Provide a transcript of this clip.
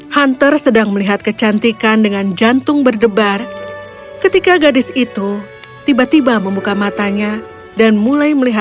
hunter sedang melihat kecantikan dengan jantung berdebar ketika gadis itu tiba tiba menangis dan menangis